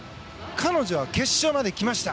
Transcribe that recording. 彼女は決勝まで来ました。